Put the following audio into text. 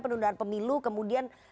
penundaan pemilu kemudian